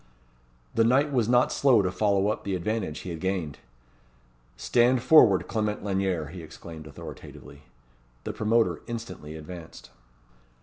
The knight was not slow to follow up the advantage he had gained. "Stand forward, Clement Lanyere," he exclaimed, authoritatively. The promoter instantly advanced.